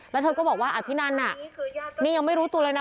แล้วเธอก็บอกว่าอภินันน่ะนี่ยังไม่รู้ตัวเลยนะ